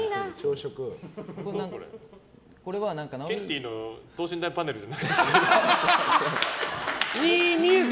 ケンティーの等身大パネルじゃなくて？